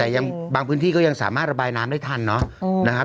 แต่ยังบางพื้นที่ก็ยังสามารถระบายน้ำได้ทันเนาะนะครับ